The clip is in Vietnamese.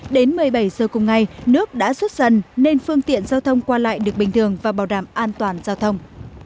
đến một mươi bảy giờ cùng ngày nước đã rút dần nên phương tiện giao thông qua lại được bình thường và bảo đảm an toàn giao thông